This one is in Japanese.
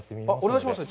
お願いします。